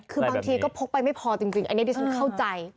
คือบางทีก็พกไปไม่พอจริงอันนี้ดิฉันเข้าใจ